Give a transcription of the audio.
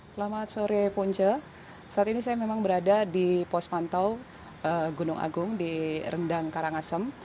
selamat sore punca saat ini saya memang berada di pos pantau gunung agung di rendang karangasem